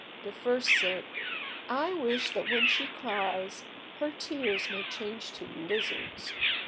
The first said— "I wish that when she cries her tears may change to lizards."